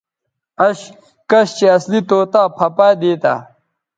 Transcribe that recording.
اش کش چہء اصلی طوطا پھہ پائ دیتہ